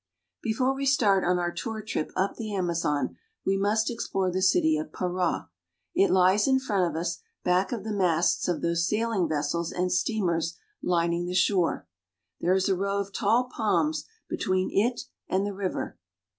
BEFORE we start on our tour up the Amazon we must explore the city of Para. Itiies in front of us, back of the masts of those saiHng vessels and steamers lining the shore. There is a row of tall palms between it and the river.